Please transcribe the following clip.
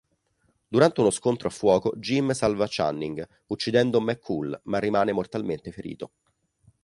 Durante uno scontro a fuoco, Jim salva Channing, uccidendo McCool, ma rimane mortalmente ferito.